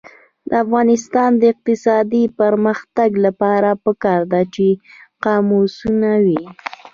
د افغانستان د اقتصادي پرمختګ لپاره پکار ده چې قاموسونه وي.